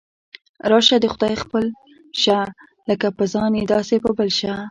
راشه د خدای خپل شه، لکه په ځان یې داسې په بل شه.